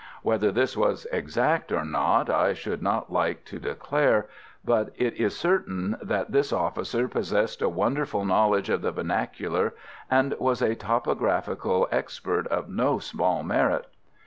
Whether this was exact or not I should not like to declare, but it is certain that this officer possessed a wonderful knowledge of the vernacular, and was a topographical expert of no small merit.